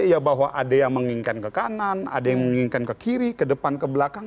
ya bahwa ada yang menginginkan ke kanan ada yang menginginkan ke kiri ke depan ke belakang